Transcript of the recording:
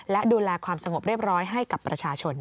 และดูแลความสงบเรียบร้อยให้กับประชาชน